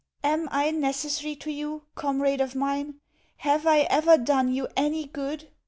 AM I necessary to you, comrade of mine? HAVE I ever done you any good?